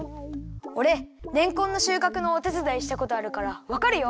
おれれんこんのしゅうかくのおてつだいしたことあるからわかるよ。